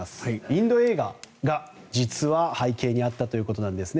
インド映画が実は背景にあったということです。